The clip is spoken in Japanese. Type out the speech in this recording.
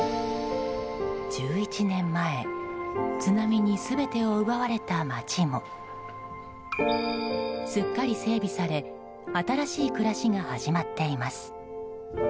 １１年前津波に全てを奪われた町もすっかり整備され新しい暮らしが始まっています。